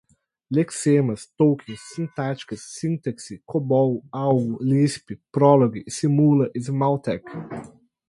lexemas, tokens, sintáticas, sintaxe, cobol, algol, lisp, prolog, simula, smalltalk